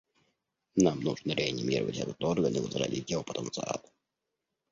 Нам нужно реанимировать этот орган и возродить его потенциал.